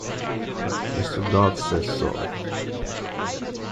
Mr. Dodd says so.